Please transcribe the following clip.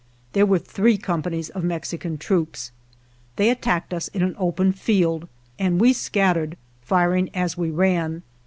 There were three com panies of Mexican troops. They attacked us in an open field, and \ve scattered, firing as we ran.